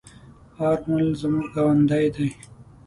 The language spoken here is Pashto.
آرمل زموږ گاوندی دی.